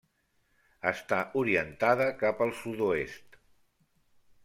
Està orientada cap al sud-oest.